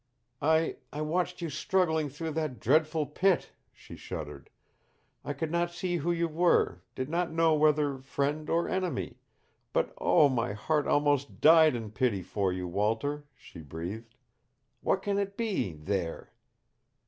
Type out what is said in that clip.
"I I watched you struggling through that dreadful pit." She shuddered. "I could not see who you were, did not know whether friend or enemy but oh, my heart almost died in pity for you, Walter," she breathed. "What can it be THERE?"